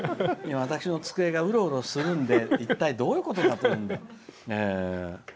私の机がうろうろするので一体、どういうことだろうって。